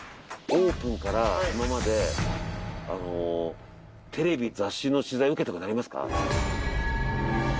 オープンから今までテレビ・雑誌の取材受けた事ありますか？